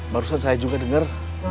barusan saya juga dengar